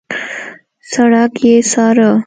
سړک يې څاره.